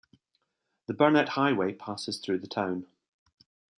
The Burnett Highway passes through the town.